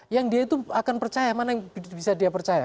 yang dia itu akan percaya mana yang bisa dia percaya